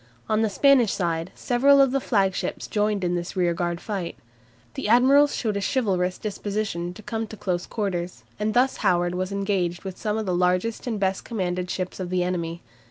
On the Spanish side several of the flagships joined in this rearguard fight. The admirals showed a chivalrous disposition to come to close quarters, and thus Howard was engaged with some of the largest and best commanded ships of the enemy.